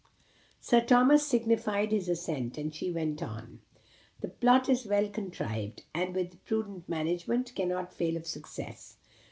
Sir Thomas signified his assent, and she went on. "The plot is well contrived, and, with prudent management, cannot fail of success.